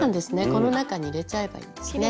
この中に入れちゃえばいいんですね。